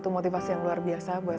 untung gua nih